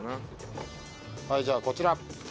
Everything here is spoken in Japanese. はいじゃあこちら。